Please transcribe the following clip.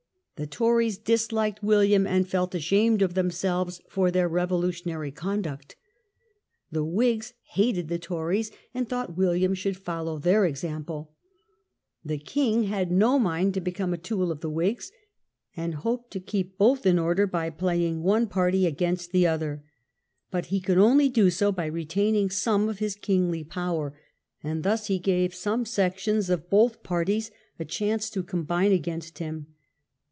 The Tories disliked William and felt ashamed of themselves for their revolutionary conduct. The Whigs hated the Tories and thought William should follow their example. The king had no mind to become a tool of the Whigs, and hoped to keep both in order by playing one party against the other. But he could only do so by retaining some of his kingly power, and thus he gave some sections of both parties a chance to combine against him.